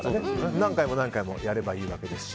何回もやればいいわけですし。